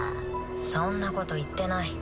そんなこと言ってない。